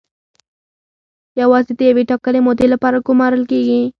یوازې د یوې ټاکلې مودې لپاره ګومارل کیږي.